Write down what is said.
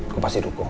gue pasti dukung